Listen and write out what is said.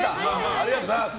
ありがとうございます。